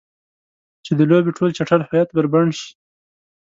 چې د لوبې ټول چټل هویت بربنډ شي.